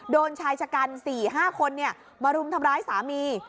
โดนชายชะกัน๔๕คนมารุมทำร้ายสามี